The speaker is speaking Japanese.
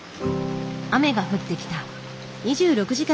雨が降ってきた。